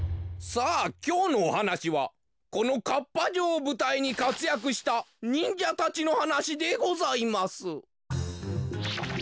さあきょうのおはなしはこのかっぱ城をぶたいにかつやくしたにんじゃたちのはなしでございます。